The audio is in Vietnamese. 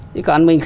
chứ còn mình